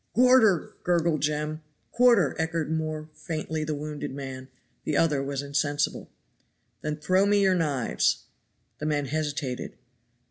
"Quarter!" gurgled Jem. "Quarter!" echoed more faintly the wounded man. The other was insensible. "Then throw me your knives." The men hesitated.